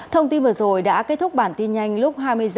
thông tin vừa rồi đã kết thúc bản tin nhanh lúc hai mươi h